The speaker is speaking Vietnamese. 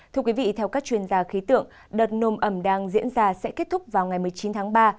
thưa quý vị theo các chuyên gia khí tượng đợt nồm ẩm đang diễn ra sẽ kết thúc vào ngày một mươi chín tháng ba